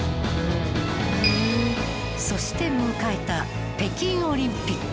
そして迎えた北京オリンピック。